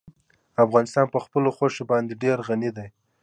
افغانستان په خپلو غوښې باندې ډېر غني دی.